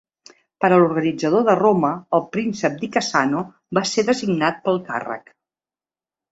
Per a l'organitzador de Roma, el príncep Di Cassano va ser designat per al càrrec.